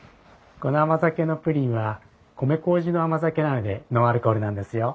この甘酒のプリンは米麹の甘酒なのでノンアルコールなんですよ。